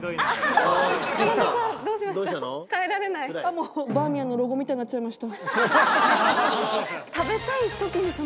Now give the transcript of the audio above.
もうバーミヤンのロゴみたいになっちゃいました